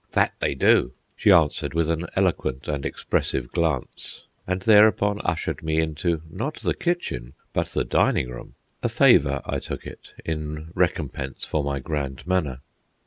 "That they do," she answered, with an eloquent and expressive glance; and thereupon ushered me into, not the kitchen, but the dining room—a favour, I took it, in recompense for my grand manner.